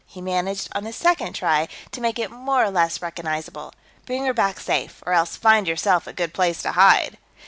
He managed, on the second try, to make it more or less recognizable. "Bring her back safe. Or else find yourself a good place to hide."